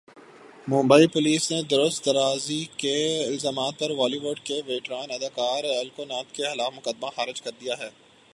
Mumbai police نے درست درازی کے الزامات پر بالی وڈ کے ویٹرن اداکار الوک ناتھ کے خلاف مقدمہ خارج کردیا ہے